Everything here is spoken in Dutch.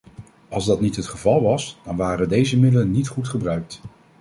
Als dat niet het geval was, dan waren deze middelen niet goed gebruikt.